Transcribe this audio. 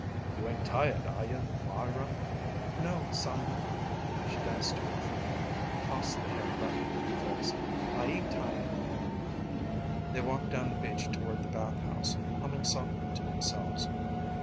"You ain't tired, are you Myra?" "No Simon" she danced to her feet and tossed the hair back from her face "I ain't tired." They walked down the beach toward the bathhouse, humming softly to themselves.